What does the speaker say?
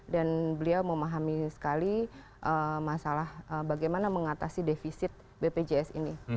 dan beliau memahami sekali masalah bagaimana mengatasi defisit bpjs ini